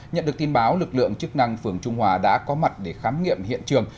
nhận được tin báo lực lượng chức năng phường trung hòa đã có mặt để khám nghiệm hiện trường